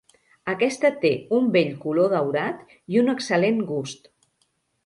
Aquesta té un bell color daurat i un excel·lent gust.